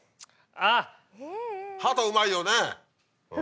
ハトうまいよね。